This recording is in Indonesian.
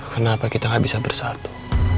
kenapa kita gak bisa bersatu